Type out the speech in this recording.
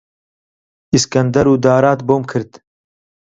ئیسکەندەر و دارات بۆم کرد،